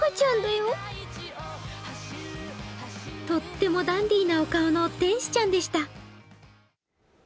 とってもダンディーなお顔の天使ちゃんでした。